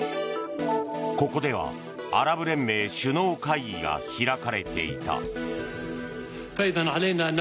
ここではアラブ連盟首脳会議が開かれていた。